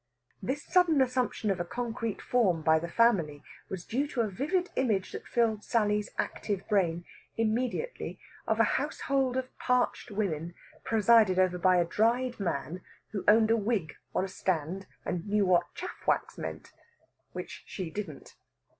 This sudden assumption of a concrete form by the family was due to a vivid image that filled Sally's active brain immediately of a household of parched women presided over by a dried man who owned a wig on a stand and knew what chaff wax meant, which she didn't.